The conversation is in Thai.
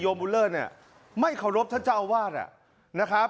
ต่อมานายบุลเลอร์ไปแจ้งความนะครับ